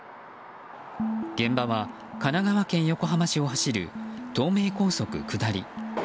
現場は、神奈川県横浜市を走る東名高速下り。